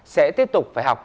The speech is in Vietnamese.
sẽ tiếp tục phải học